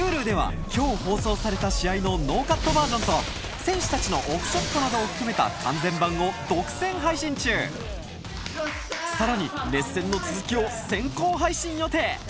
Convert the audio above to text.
Ｈｕｌｕでは今日放送された試合のノーカットバージョンと選手たちのオフショットなどを含めた完全版を独占配信中さらに熱戦の続きを先行配信予定